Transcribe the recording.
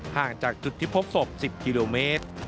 ห่างจากจุดที่พบศพ๑๐กิโลเมตร